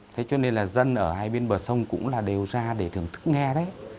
thế cho nên là dân ở hai bên bờ sông cũng là đều ra để thưởng thức nghe đấy